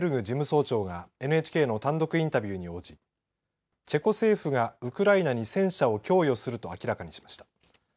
事務総長がＮＨＫの単独インタビューに応じチェコ政府がウクライナに戦車を供与すると明らかにしました。